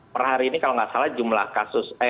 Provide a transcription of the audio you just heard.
perhari ini kalau tidak salah jumlah kasus